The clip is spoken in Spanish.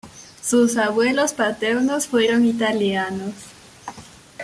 Sus abuelos paternos fueron italianos.